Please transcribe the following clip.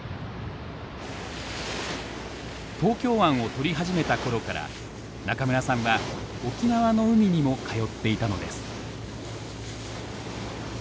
東京湾を撮り始めた頃から中村さんは沖縄の海にも通っていたのです。